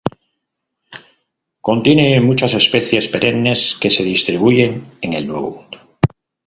Contiene muchas especies perennes que se distribuyen en el Nuevo Mundo.